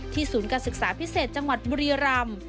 ศูนย์การศึกษาพิเศษจังหวัดบุรีรำ